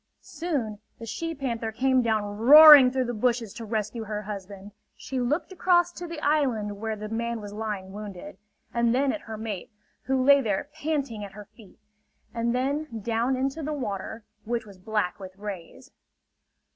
Soon the she panther came down roaring through the bushes to rescue her husband. She looked across to the island where the man was lying wounded; and then at her mate, who lay there panting at her feet; and then down into the water, which was black with rays.